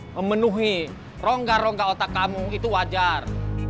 memenuhi rongga rongga otak kamu itu wajar